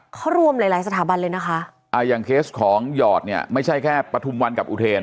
เขารวมหลายหลายสถาบันเลยนะคะอ่าอย่างเคสของหยอดเนี่ยไม่ใช่แค่ปฐุมวันกับอุเทน